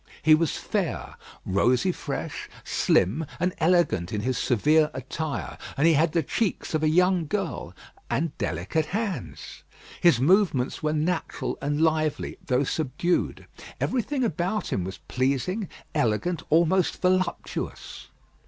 He was fair, rosy fresh, slim, and elegant in his severe attire, and he had the cheeks of a young girl, and delicate hands. His movements were natural and lively, though subdued. Everything about him was pleasing, elegant, almost voluptuous.